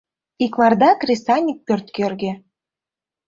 Икмарда кресаньык пӧрт кӧргӧ.